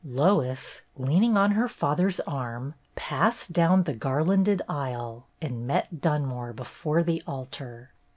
Lois, leaning on her father's arm, passed down the garlanded aisle, and met Dunmore before the altar.